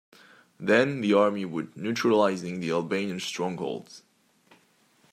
Then the Army would "neutralising the Albanian strongholds".